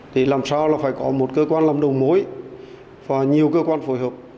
thì làm sao là phải có một cơ quan làm đồng mối và nhiều cơ quan phối hợp